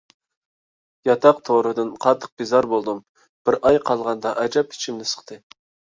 ياتاق تورىدىن قاتتىق بىزار بولدۇم. بىر ئاي قالغاندا ئەجەب ئىچىمنى سىقتى.